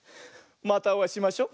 またおあいしましょ。